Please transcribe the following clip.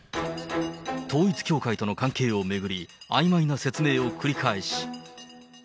統一教会との関係を巡り、あいまいな説明を繰り返し。